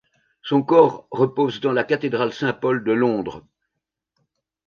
Son corps repose dans la cathédrale Saint-Paul de Londres.